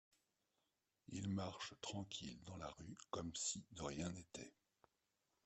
Il marche tranquille dans la rue, comme si de rien n’était !